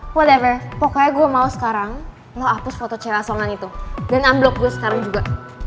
whatever pokoknya gue mau sekarang lo hapus foto celasongan itu dan unblock gue sekarang juga